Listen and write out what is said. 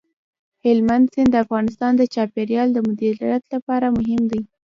هلمند سیند د افغانستان د چاپیریال د مدیریت لپاره مهم دی.